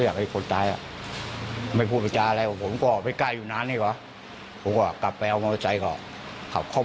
และกลัวว่าภูมิและนี้ก็เป็นบองเดอะหน่อยการออกให้ตัวเอง